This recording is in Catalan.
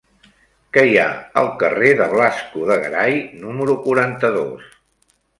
Què hi ha al carrer de Blasco de Garay número quaranta-dos?